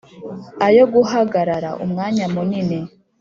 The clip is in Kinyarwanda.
ayo guhagarara Umwanya munini